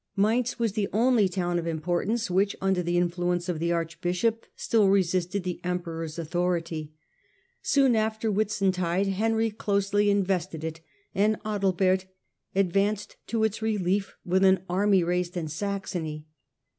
Mainz was the only town of importance which (under the influence of the archbishop) still resisted the emperor's authority. Soon after Whitsuntide Henry closely in vested it, and Adalbert advanced to its relief with an army raised in Saxony.